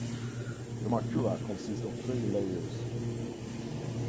The macula consists of three layers.